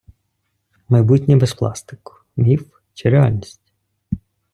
Майбутнє без пластику — міф чи реальність?